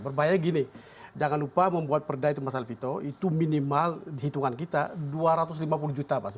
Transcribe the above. berbahaya gini jangan lupa membuat perda itu mas alvito itu minimal dihitungan kita dua ratus lima puluh juta pasti